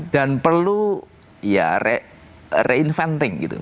dan perlu ya reinventing gitu